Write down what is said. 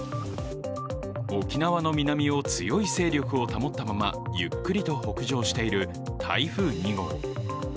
沖縄の南を強い勢力を保ったままゆっくりと北上している台風２号。